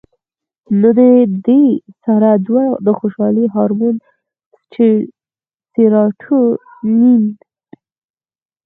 نو د دې سره دوه د خوشالۍ هارمون سېراټونین